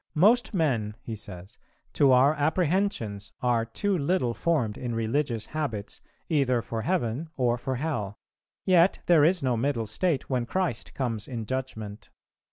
"Most men," he says, "to our apprehensions, are too little formed in religious habits either for heaven or for hell, yet there is no middle state when Christ comes in judgment.